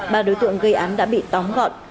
ba đối tượng gây án đã bị tóm gọn